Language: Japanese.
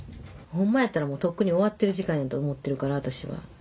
ほんまやったらもうとっくに終わってる時間やと思ってるから私は。